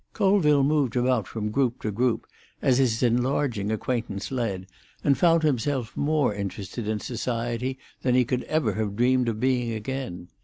Colville moved about from group to group as his enlarging acquaintance led, and found himself more interested in society than he could ever have dreamed of being again.